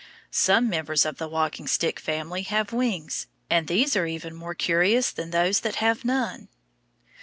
Some members of the walking stick family have wings, and these are even more curious than those that have none.